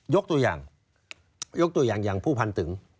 ยกตัวอย่างยกตัวอย่างอย่างผู้พันตึง